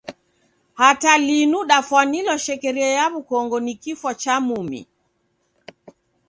Hata linu dafwanilwa shekeria ya w'ukongo ni kifwa cha mumi.